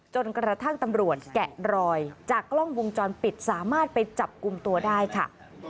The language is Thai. จนกระทั่งตำรวจแกะรอยจากกล้องวงจรปิดสามารถไปจับกลุ่มตัวได้ค่ะ